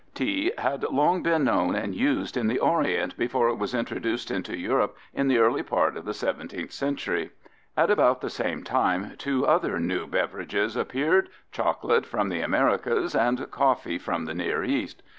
Tea had long been known and used in the Orient before it was introduced into Europe in the early part of the 17th century. At about the same time two other new beverages appeared, chocolate from the Americas and coffee from the Near East.